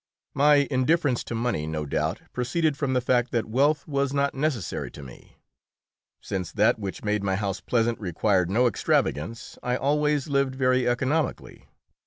My indifference to money no doubt proceeded from the fact that wealth was not necessary to me. Since that which made my house pleasant required no extravagance, I always lived very economically.